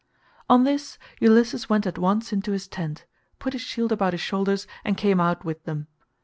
On this Ulysses went at once into his tent, put his shield about his shoulders and came out with them.